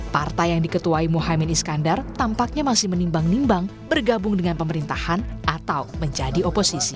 partai yang diketuai muhaymin iskandar tampaknya masih menimbang nimbang bergabung dengan pemerintahan atau menjadi oposisi